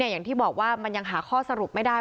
อย่างที่บอกว่ามันยังหาข้อสรุปไม่ได้